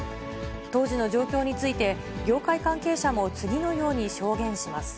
当時の状況について、業界関係者も次のように証言します。